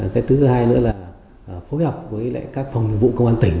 cái thứ hai nữa là phối hợp với các phòng nhiệm vụ công an tỉnh